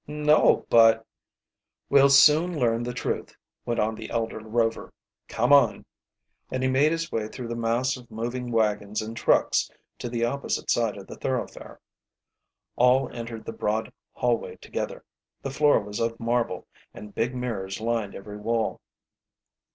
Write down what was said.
"No, but " "We'll soon learn the truth," went on the elder Rover. "Come on." And he made his way through the mass of moving wagons and trucks to the opposite side of the thoroughfare. All entered the broad hallway together. The floor was of marble, and big mirrors lined every wall.